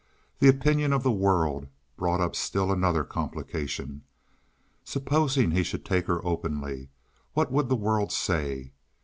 The opinion of the world brought up still another complication. Supposing he should take her openly, what would the world say?